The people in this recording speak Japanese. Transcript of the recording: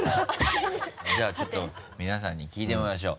じゃあちょっと皆さんに聞いてみましょう。